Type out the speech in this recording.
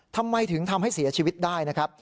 ทำไมถึงทำให้เสียชีวิตได้นะครับ